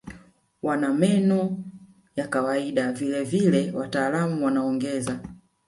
Wana meno ya kawaida vile vile wataalamu wanaongeza